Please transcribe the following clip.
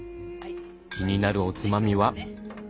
気になるおつまみは？